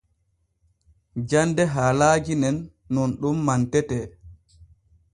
Jande haalaaji nen nun ɗun mantetee.